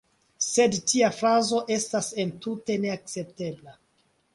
Sed tia frazo estas entute neakceptebla.